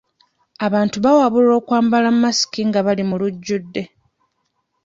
Abantu baawabulwa okwambala masiki nga bali mu lujjudde.